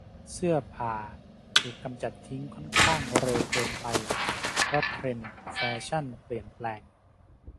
เสื้อผ่าถูกกำจัดทิ้งค่อนข้างเร็วเกินไปเพราะเทรนด์แฟชั่นเปลี่ยนแปลง